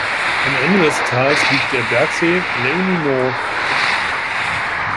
Am Ende des Tals liegt der Bergsee Lej Minor.